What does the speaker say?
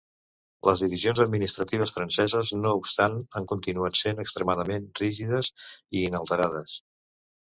Les divisions administratives franceses, no obstant, han continuat sent extremadament rígides i inalterades.